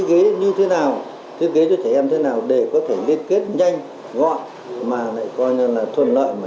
ghế như thế nào thiết kế cho trẻ em thế nào để có thể liên kết nhanh gọn mà lại coi là thuận lợi mà